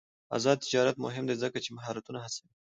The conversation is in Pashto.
آزاد تجارت مهم دی ځکه چې مهارتونه هڅوي.